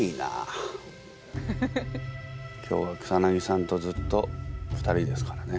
今日は草さんとずっと２人ですからね。